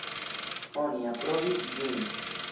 Oni aprobis ĝin.